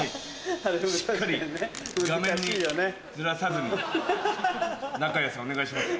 しっかり画面にずらさずにナカヤさんお願いします。